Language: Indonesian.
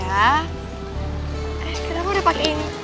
eh kenapa udah pakai ini